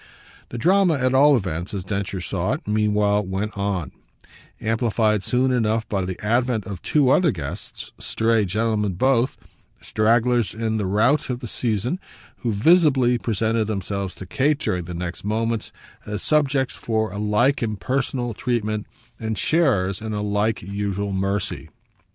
The drama, at all events, as Densher saw it, meanwhile went on amplified soon enough by the advent of two other guests, stray gentlemen both, stragglers in the rout of the season, who visibly presented themselves to Kate during the next moments as subjects for a like impersonal treatment and sharers in a like usual mercy.